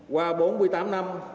qua bốn mươi tám năm